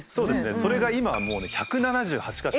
それが今はもうね１７８か所。